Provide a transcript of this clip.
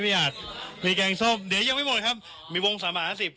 อาจมีแกงส้มเดี๋ยวยังไม่หมดครับมีวงสามหาสิบ